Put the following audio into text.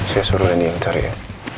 saya suruh ini yang cari ya